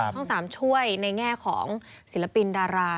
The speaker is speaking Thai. ทั้ง๓ช่วยในแง่ของศิลปินดารา